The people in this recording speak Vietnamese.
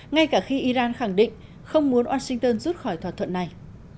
ngay cả khi iran khẳng định không muốn washington rút khỏi thỏa thuận này